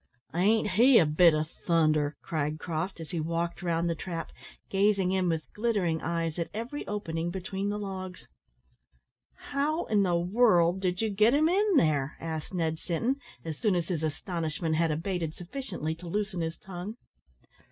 ain't he a bit o' thunder?" cried Croft, as he walked round the trap, gazing in with glittering eyes at every opening between the logs. "How in the world did you get him in there?" asked Ned Sinton, as soon as his astonishment had abated sufficiently to loosen his tongue.